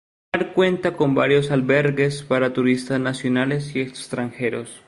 El lugar cuenta con varios albergues para turistas nacionales y extranjeros.